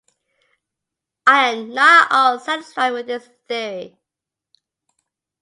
I am not at all satisfied with this theory.